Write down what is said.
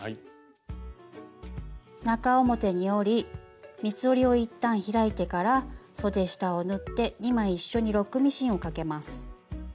中表に折り三つ折りを一旦開いてからそで下を縫って２枚一緒にロックミシンをかけます。